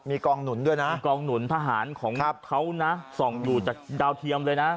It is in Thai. มีกองหนุ่นพหารไปอยู่จากดาวเทียมเลยนะ